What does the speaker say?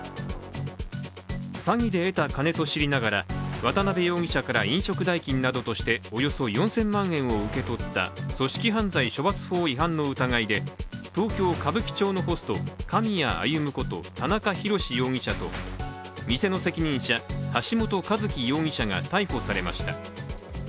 詐欺で得た金と知りながら、渡邊容疑者から飲食代金としておよそ４０００万円を受け取った組織犯罪処罰法違反の疑いで東京・歌舞伎町のホスト狼谷歩こと田中裕志容疑者と、店の責任者橋本一喜容疑者が逮捕されました。